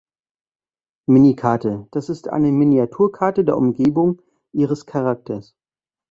Minikarte: Das ist eine Miniaturkarte der Umgebung Ihres Charakters.